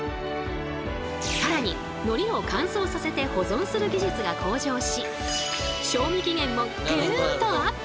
更に海苔を乾燥させて保存する技術が向上し賞味期限もグンとアップ！